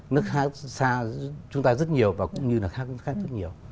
nước khác xa chúng ta rất nhiều và cũng như là khác rất nhiều